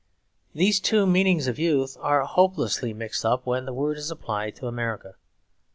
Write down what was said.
These two meanings of youth are hopelessly mixed up when the word is applied to America.